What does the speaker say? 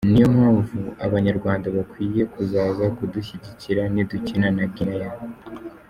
Niyo mpamvu Abanyarwanda bakwiye kuzaza kudushyigikira nidukina na Guinea.”